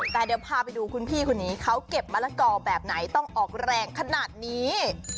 แต่เดี๋ยวพาไปดูคุณพี่คนนี้เขาเก็บมะละกอแบบไหนต้องออกแรงขนาดนี้